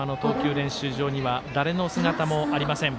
練習場には誰の姿もありません。